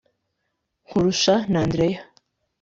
Nkurusha n'Andreya